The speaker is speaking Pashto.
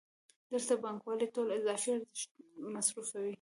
دلته پانګوال ټول اضافي ارزښت مصرفوي